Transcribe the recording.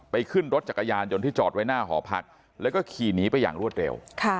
ขึ้นรถจักรยานยนต์ที่จอดไว้หน้าหอพักแล้วก็ขี่หนีไปอย่างรวดเร็ว